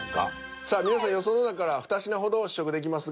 さあ皆さん予想の中から２品ほど試食できますが。